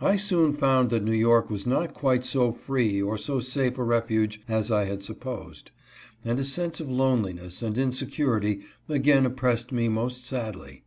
I soon found that New York was not quite so free or so safe a refuge as I had supposed, and a sense of loneliness and insecurity again oppressed me most sadly.